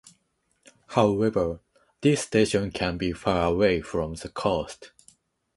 However, this station can be far away from the coast.